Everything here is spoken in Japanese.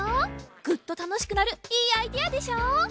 グッとたのしくなるいいアイデアでしょ！